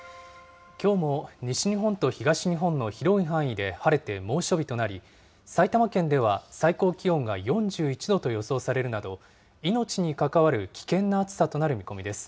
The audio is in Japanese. きょうも西日本と東日本の広い範囲で晴れて猛暑日となり、埼玉県では最高気温が４１度と予想されるなど、命に関わる危険な暑さとなる見込みです。